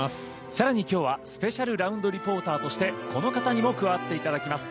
さらにきょうはスペシャルラウンドリポーターとしてこの方にも加わっていただきます。